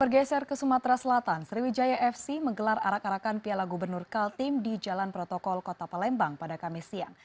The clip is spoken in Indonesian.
bergeser ke sumatera selatan sriwijaya fc menggelar arak arakan piala gubernur kaltim di jalan protokol kota palembang pada kamis siang